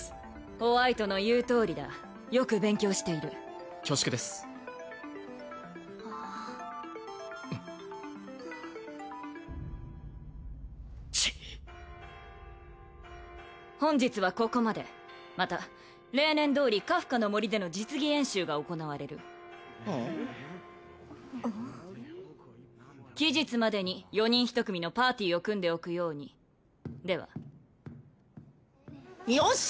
ホワイトの言うとおりだよく勉強している恐縮ですチッ本日はここまでまた例年どおりカフカの森での実技演習が行われる期日までに４人一組のパーティーを組んでおくようにではよっしゃ